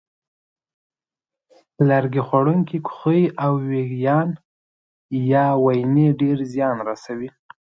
لرګي خوړونکي کوخۍ او وېږیان یا واینې ډېر زیان رسوي.